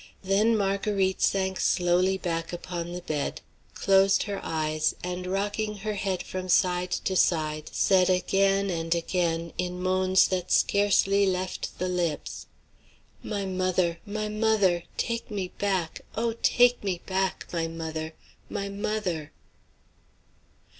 Then Marguerite sank slowly back upon the bed, closed her eyes, and rocking her head from side to side, said again and again, in moans that scarcely left the lips: "My mother! my mother! Take me back! Oh! take me back, my mother! my mother!"